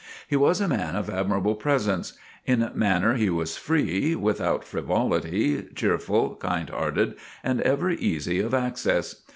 He was a man of admirable presence. In manner he was free, without frivolity, cheerful, kind hearted and ever easy of access.